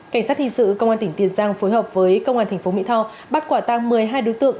cảnh sát hình sự công an tỉnh tiền giang phối hợp với công an tp mỹ tho bắt quả tăng một mươi hai đối tượng